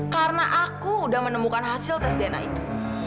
karena aku udah menemukan hasil tes dna itu